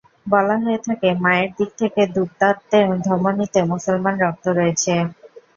বলা হয়ে থাকে, মায়ের দিক থেকে দুতার্তের ধমনিতে মুসলমান রক্ত রয়েছে।